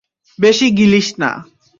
বেশি গিলিস না।